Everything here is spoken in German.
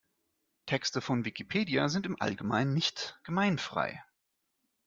Texte von Wikipedia sind im Allgemeinen nicht gemeinfrei.